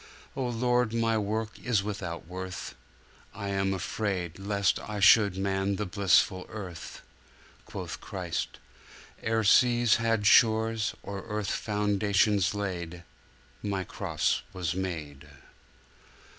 O Lord, my work is without worth! I am afraid, Lest I should man the blissful Birth. Quoth Christ, 'Ere seas had shores, or earth Foundations laid, My Cross was made!